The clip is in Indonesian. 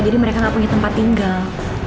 jadi mereka gak punya tempat tinggal